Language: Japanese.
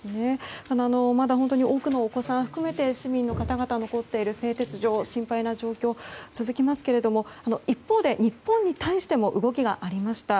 まだ本当に多くのお子さん含めて市民の方々が残っている製鉄所は心配な状況が続きますけれども一方で日本に対しても動きがありました。